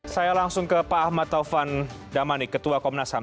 saya langsung ke pak ahmad taufan damani ketua komnas ham